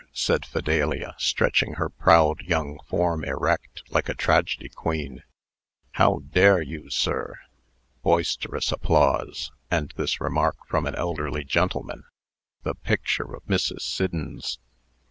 said Fidelia, stretching her proud young form erect, like a tragedy queen, "How dare you, sir!" (Boisterous applause, and this remark from an elderly gentleman: "The picture of Mrs. Siddons!")